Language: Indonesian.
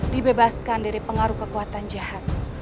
dibebaskan dari pengaruh kekuatan jahat